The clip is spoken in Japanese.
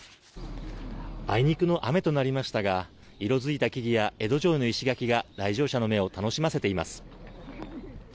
あいにくの雨となりましたが色付いた木々や江戸城の石垣が来場者の目を楽しませています。